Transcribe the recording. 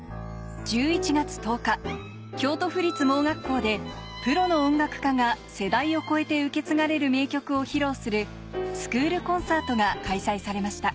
１１月１０日京都府立盲学校でプロの音楽家が世代を超えて受け継がれる名曲を披露するスクールコンサートが開催されました